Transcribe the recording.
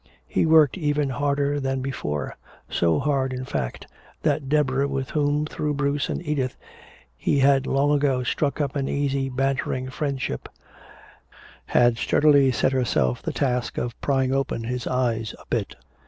He worked even harder than before so hard, in fact, that Deborah, with whom through Bruce and Edith he had long ago struck up an easy bantering friendship, had sturdily set herself the task of prying open his eyes a bit.